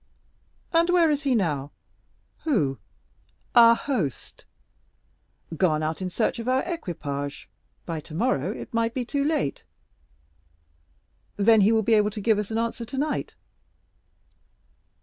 "And where is he now?" "Who?" "Our host." "Gone out in search of our equipage, by tomorrow it might be too late." "Then he will be able to give us an answer tonight."